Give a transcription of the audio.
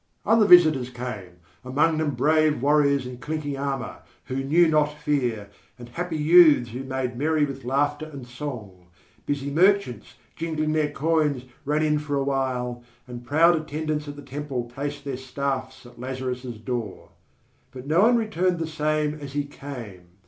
Other visitors came, among them brave warriors in clinking armour, who knew not fear, and happy youths who made merry with laughter and song. Busy merchants, jingling their coins, ran in for awhile, and proud attendants at the Temple placed their staffs at Lazarus' door. But no one returned the same as he came.